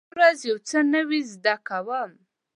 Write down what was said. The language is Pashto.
زه هره ورځ یو څه نوی زده کوم.